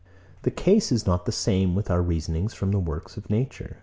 113. The case is not the same with our reasonings from the works of nature.